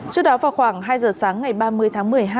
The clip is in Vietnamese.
trước đó vào khoảng hai giờ sáng ngày ba mươi tháng một mươi hai